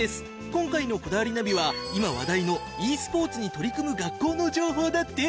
今回の『こだわりナビ』は今話題のｅスポーツに取り組む学校の情報だって。